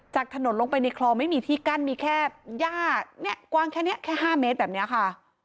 จากถนนลงไปในคลองไม่มีที่กั้นและมีแค่ห้าเมตรแบบนี้ค่ะ